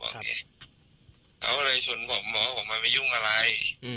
เขาเลยฉุนผมเดี๋ยวเหมือนไม่หยุ่งอะไร